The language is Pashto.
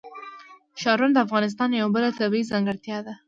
ښارونه د افغانستان یوه بله طبیعي ځانګړتیا ده.